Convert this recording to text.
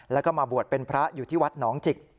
แล้วก็มาบวชเป็นพระอยู่ที่วัดหนองจิก